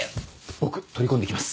僕取り込んできます。